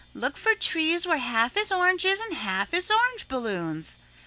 Look for trees where half is oranges and half is orange balloons.